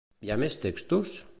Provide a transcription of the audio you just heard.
Hi ha més textos?